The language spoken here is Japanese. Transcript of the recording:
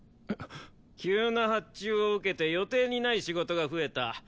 急な発注を受けて予定にない仕事が増えた。